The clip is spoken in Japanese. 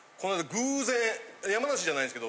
偶然山梨じゃないんですけど。